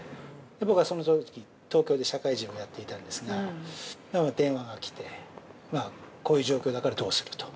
僕は、そのとき東京で社会人をやっていたんですが電話が来て、こういう状況だからどうすると。